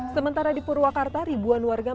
sementara di purwakarta ribuan warga